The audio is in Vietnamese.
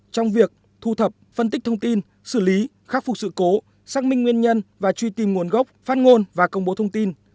trong việc thu thập phân tích thông tin xử lý khắc phục sự cố xác minh nguyên nhân và truy tìm nguồn gốc phát ngôn và công bố thông tin